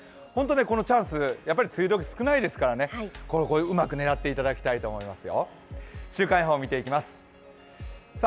このチャンス、梅雨どき、少ないですからうまく狙っていただきたいと思います。